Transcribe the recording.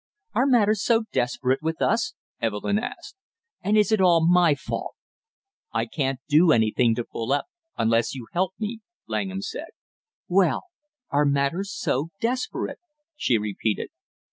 "Are matters so desperate with us?" Evelyn asked. "And is it all my fault?" "I can't do anything to pull up unless you help, me," Langham said. "Well, are matters so desperate?" she repeated.